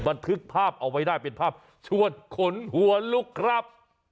บันทึกภาพเอาไว้ได้เป็นภาพชวนขนหัวลุกครับ